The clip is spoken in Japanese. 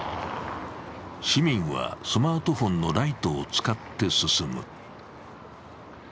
市民はスマートフォンのライトを使って進む。